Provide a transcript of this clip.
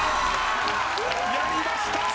やりました！